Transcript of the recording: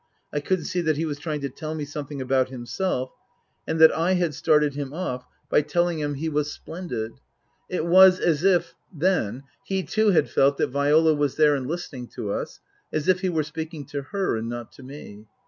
I couldn't see that he was trying to tell me something about himself, and that I had started him off by telling him he was 270 Tasker Jevons splendid. It was as if then he too had felt that Viola was there and listening to us, as if he were speaking to her and not to me.